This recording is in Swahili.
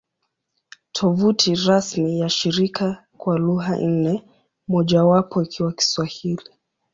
Tovuti rasmi ya shirika kwa lugha nne, mojawapo ikiwa Kiswahili